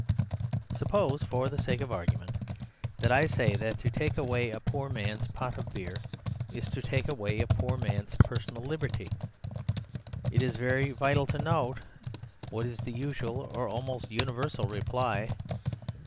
Suppose, for the sake of argument, that I say that to take away a poor man's pot of beer is to take away a poor man's personal liberty, it is very vital to note what is the usual or almost universal reply.